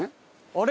あれ？